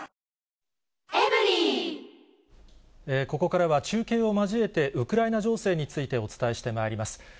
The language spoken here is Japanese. ここからは、中継を交えて、ウクライナ情勢についてお伝えしてまいります。